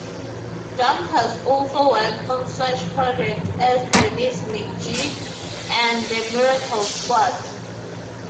Dumm has also worked on such projects as "Dennis McGee" and "The Miracle Squad".